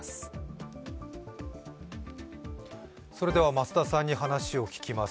増田さんに話を聞きます。